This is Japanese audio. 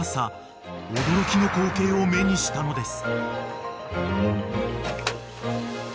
［驚きの光景を目にしたのです］